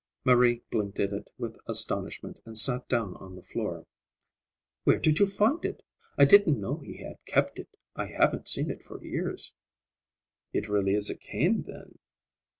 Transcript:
Marie blinked at it with astonishment and sat down on the floor. "Where did you find it? I didn't know he had kept it. I haven't seen it for years." "It really is a cane, then?"